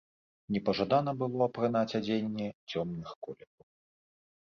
Непажадана было апранаць адзенне цёмных колераў.